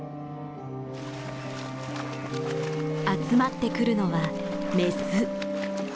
集まってくるのはメス。